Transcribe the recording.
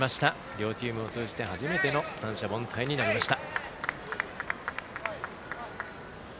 両チームを通じて初めての三者凡退になりました。